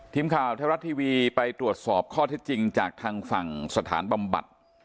ทีมข่าวไทยรัฐทีวีไปตรวจสอบข้อเท็จจริงจากทางฝั่งสถานบำบัด